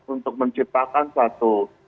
untuk menciptakan suatu